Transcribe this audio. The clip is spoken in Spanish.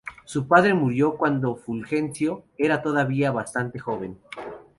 Su padre murió cuando Fulgencio era todavía bastante joven.